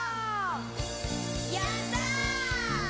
「やった」